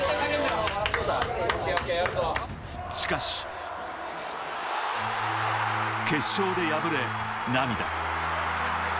しかし、決勝で敗れ、涙。